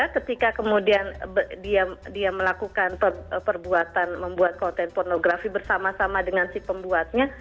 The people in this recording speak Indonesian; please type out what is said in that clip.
ketika kemudian dia melakukan perbuatan membuat konten pornografi bersama sama dengan si pembuatnya